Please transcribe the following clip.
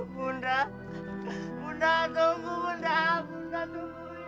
bunda bunda tunggu bunda tunggu